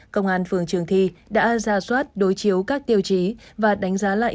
công an phường trường thi đã ra soát đối chiếu các tiêu chí và đánh giá lại